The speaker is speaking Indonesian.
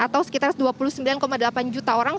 atau sekitar dua puluh sembilan delapan juta orang